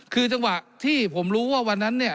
คือจังหวะที่ผมรู้ว่าวันนั้นเนี่ย